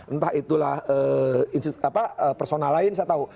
entah itu lah persona lain saya tahu